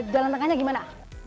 jalan rengannya gimana